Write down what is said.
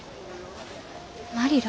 マリラ？